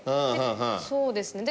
そうですね。